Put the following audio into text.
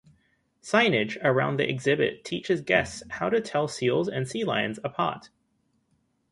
Signage around the exhibit teaches guests how to tell seals and sea lions apart.